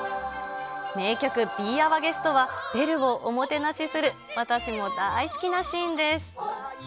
名曲、ビーアワゲストは、ベルをおもてなしする私も大好きなシーンです。